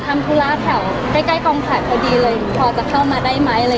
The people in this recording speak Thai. ก็ถามว่าวันนี้มาทำธุระแถวใกล้กองถ่ายพอดีเลยพอจะเข้ามาได้ไหม